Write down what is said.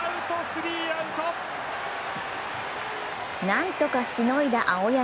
なんとかしのいだ青柳。